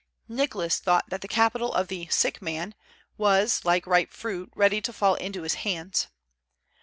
Nicholas thought that the capital of the "sick man" was, like ripe fruit, ready to fall into his hands.